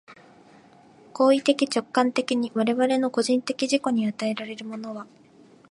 行為的直観的に我々の個人的自己に与えられるものは、